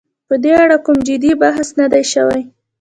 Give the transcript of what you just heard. په دې اړه کوم جدي بحث نه دی شوی.